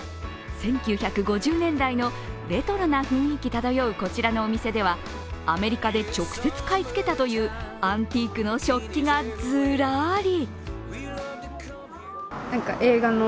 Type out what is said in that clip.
１９５０年代のレトロな雰囲気漂うこちらのお店では、アメリカで直接買い付けたというアンティークの食器がズラリ。